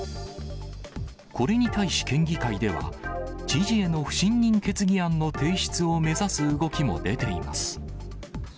これに対し県議会では、知事への不信任決議案の提出を目指す動きも出ています。